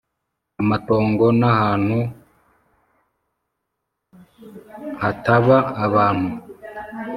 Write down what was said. amatongo nahantu htaba abantu.